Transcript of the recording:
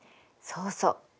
そうそう。